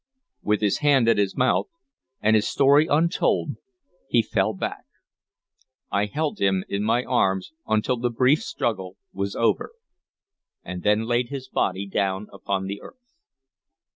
With his hand at his mouth, and his story untold, he fell back. I held him in my arms until the brief struggle was over, and then laid his body down upon the earth.